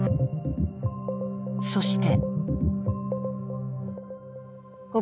そして。